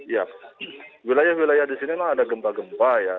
ya wilayah wilayah di sini memang ada gempa gempa ya